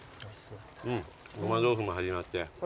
ごま豆腐も始まって。